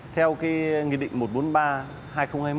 theo nghị định một trăm bốn mươi ba hai nghìn hai mươi một